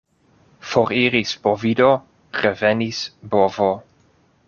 Foriris bovido, revenis bovo.